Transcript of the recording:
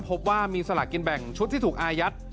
พบว่ามีสลากกินแบ่งชุดที่ถูกอายัด